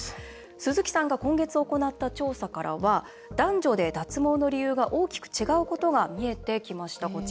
鈴木さんが今月行った調査からは男女で脱毛の理由が大きく異なることが見えてきました。